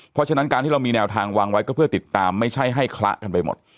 เพราะฉะนั้นการที่เรามีแนวทางวางไว้ก็เพื่อติดตามไม่ใช่ให้คละกันไปหมด